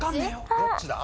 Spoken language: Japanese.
どっちだ？